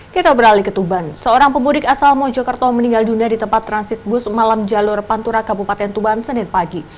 kita beralih ke tuban seorang pemudik asal mojokerto meninggal dunia di tempat transit bus malam jalur pantura kabupaten tuban senin pagi